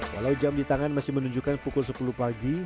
walau jam di tangan masih menunjukkan pukul sepuluh pagi